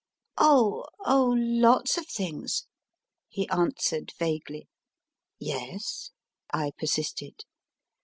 Oh oh lots of things, he answered vaguely. Yes ? I persisted.